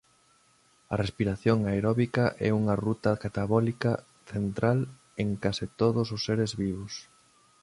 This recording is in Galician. A respiración aeróbica é unha ruta catabólica central en case todos os seres vivos.